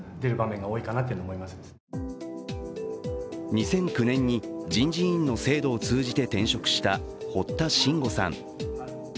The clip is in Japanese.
２００９年に人事院の制度を通じて転職した堀田真吾さん。